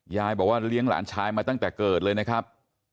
ยายบอกว่าเลี้ยงหลานชายมาตั้งแต่เกิดเลยนะครับ